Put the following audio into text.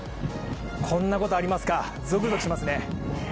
こんなことありますか、続々しますね。